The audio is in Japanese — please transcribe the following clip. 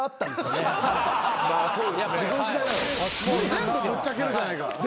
全部ぶっちゃけるじゃないか。